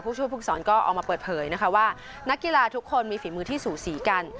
ผู้ช่วยภูมิสอนก็ออกมาเปิดเผยนะคะว่านักกีฬาทุกคนมีฝีมือที่สูสีกัน